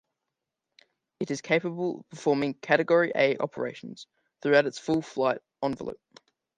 It is capable of performing Category A operations throughout its full flight envelope.